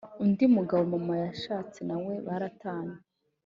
Undi mugabo mama yashatse na we baratanye